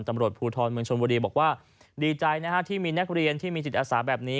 ตำรวจภูทรเมืองชนบุรีบอกว่าดีใจนะฮะที่มีนักเรียนที่มีจิตอาสาแบบนี้